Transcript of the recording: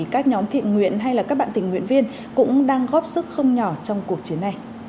các nhóm thiện nguyện hay các bạn tình nguyện viên cũng đang góp sức không nhỏ trong cuộc chiến này